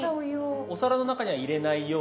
お皿の中には入れないように。